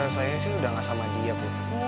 saya sih udah gak sama dia tuh